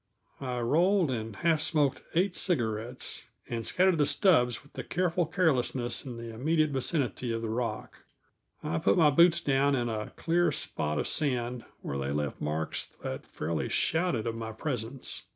I rolled and half smoked eight cigarettes, and scattered the stubs with careful carelessness in the immediate vicinity of the rock. I put my boots down in a clear spot of sand where they left marks that fairly shouted of my presence.